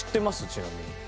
ちなみに。